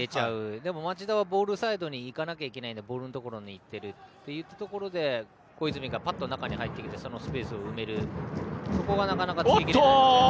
でも町田はボールサイドに行かなきゃいけないのでボールのところに行っているところで小泉が中に入ってきてそのスペースを埋める。